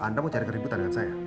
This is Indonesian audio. anda mau cari keributan dengan saya